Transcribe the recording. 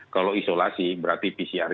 kalau isolasi berarti pcrnya tidak bisa dilakukan